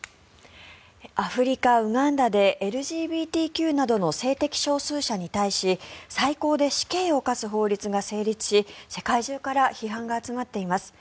アフリカ・ウガンダでＬＧＢＴＱなどの性的少数者に対し最高で死刑を科す法律が成立し世界中から批判が集まっています。